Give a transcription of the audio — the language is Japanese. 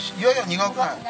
苦くない。